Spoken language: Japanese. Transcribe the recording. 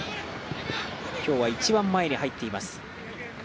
今日は一番前に入っています。